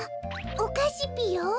おかしぴよ？